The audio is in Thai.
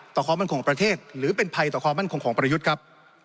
ความมั่นคงของประเทศหรือเป็นภัยต่อความมั่นคงของประยุทธ์ครับ